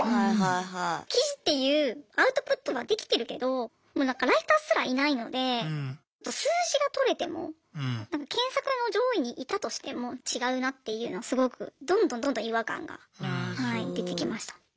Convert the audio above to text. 記事っていうアウトプットはできてるけどもうなんかライターすらいないので数字が取れても検索の上位にいたとしても違うなっていうのはすごくどんどんどんどん違和感がはい出てきました。